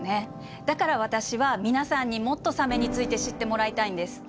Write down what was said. だから私は皆さんにもっとサメについて知ってもらいたいんです。